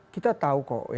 kita tahu kok